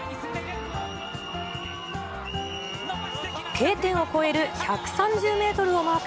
Ｋ点をこえる１３０メートルをマーク。